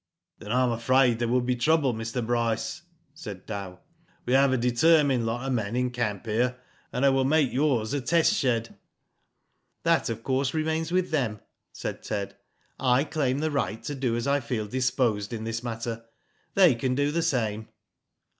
*'Then I am afraid there will be trouble, Mr. Bryce," said Dow. "We have a determined lot of men in camp here, and they will make yours a test shed." That, of course, remains with them," said Ted. "I claim the right to do as I feel disposed in this matter. They can do the same."